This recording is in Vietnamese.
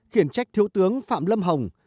khiển trách thiếu tướng phạm lâm hồng